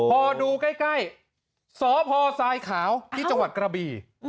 พอดูใกล้สพทรายขาวที่จังหวัดกระบี